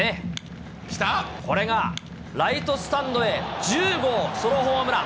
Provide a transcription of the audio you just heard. これがライトスタンドへ、１０号ソロホームラン。